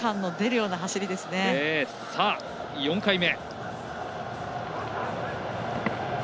４回目。